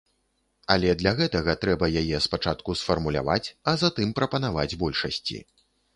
Але для гэтага трэба яе спачатку сфармуляваць, а затым прапанаваць большасці.